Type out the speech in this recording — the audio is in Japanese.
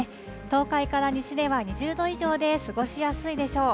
東海から西では２０度以上で、過ごしやすいでしょう。